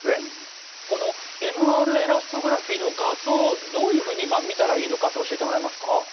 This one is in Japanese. このＭＲエラストグラフィの画像どういうふうに見たらいいのかって教えてもらえますか？